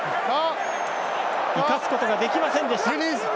生かすことができませんでした。